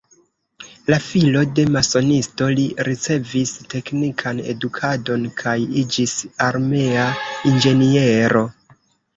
La filo de masonisto, li ricevis teknikan edukadon kaj iĝis armea inĝeniero.